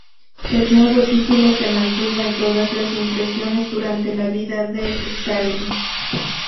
El nuevo título se mantuvo en todas las impresiones durante la vida de Stalin.